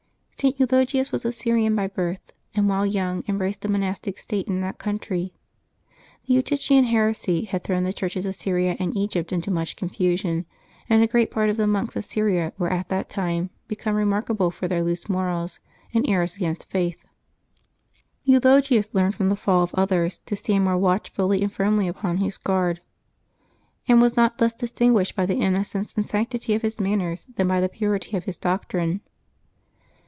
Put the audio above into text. [t. Eulogius was a .Syrian by birth, and while young embraced the monastic state in that country. The Eutychian heresy had thrown the Churches of Syria and Egypt into much confusion, and a great part of the monks of Syria were at that time become remarkable for their loose morals and errors against faith. Eulogius learned from the fall of others to stand more watchfully and firmly upon his guard, and was not less distinguished by the innocence and sanctity of his manners than by the purity of his doctrine.